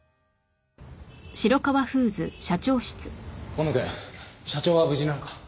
紺野くん社長は無事なのか？